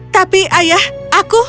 tapi ayah aku